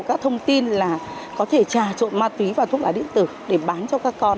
các thông tin là có thể trà trộn ma túy và thuốc lá điện tử để bán cho các con